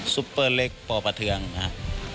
ซุปเปอร์เล็กปอปะเทืองนะครับ